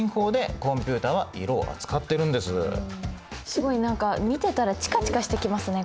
すごい何か見てたらチカチカしてきますね